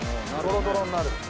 ドロドロになる。